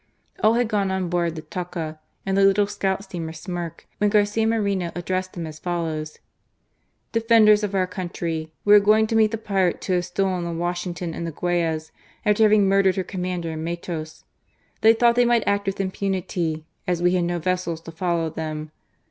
All had gone on board the Talca and the little scout steamer Smyrk, when Garcia Moreno addressed them as follows :" Defenders of our country. We are going to meet the pirates who have stolen the Washington and the Guayas, after having murdered her com mander Matos. They thought they might act with impunity, as we had no vessels to follow them.